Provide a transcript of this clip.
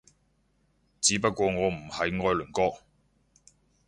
只不過我唔係愛鄰國